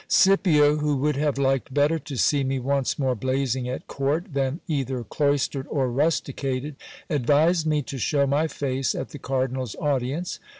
Scipio, who would have liked better to see me once more blazing at court, than either cloistered or rusticated, advised me to shew my face at the cardinal's audi ence.